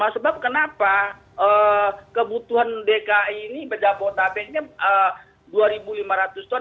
sebab kenapa kebutuhan dki ini jabodetabeknya dua lima ratus ton